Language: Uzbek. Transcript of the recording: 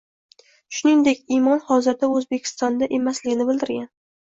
Shuningdek, Imon hozirda O‘zbekistonda emasligini bildirgan